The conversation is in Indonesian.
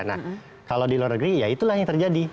nah kalau di luar negeri ya itulah yang terjadi